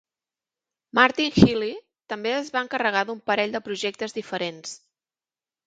Martin Healy també es va encarregar d'un parell de projectes diferents.